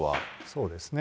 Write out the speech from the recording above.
そうですね。